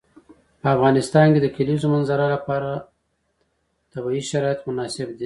په افغانستان کې د د کلیزو منظره لپاره طبیعي شرایط مناسب دي.